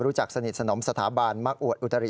รู้จักสนิทสนมสถาบันมาอวดอุตริ